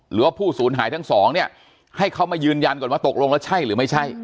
หรือว่าผู้สูญหายทั้งสองเนี่ยให้เขามายืนยันก่อนว่าตกลงแล้วใช่หรือไม่ใช่